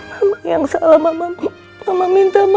mama yang salah mama mau berpikir panjang ke depan mama